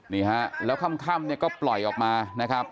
นี่ฮะแล้วค่ำเนี่ยก็ปล่อยออกมานะครับ